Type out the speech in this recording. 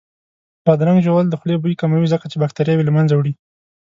بادرنګ ژوول د خولې بوی کموي ځکه چې باکتریاوې له منځه وړي